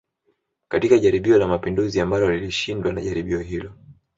Katika jaribio la mapinduzi ambalo lilishindwa na jaribio hilo